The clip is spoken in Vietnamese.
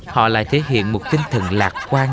họ lại thể hiện một kinh thần lạc quan